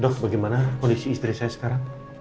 dok bagaimana kondisi istri saya sekarang